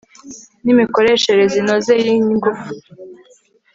n imikoreshereze inoze y ingufu